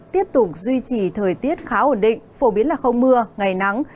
tiếp tục duy trì thời tiết khá ổn định phổ biến là không mưa ngày nắng